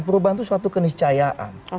perubahan itu suatu keniscayaan